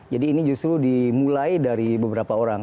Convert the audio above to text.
jadi ini justru dimulai dari beberapa orang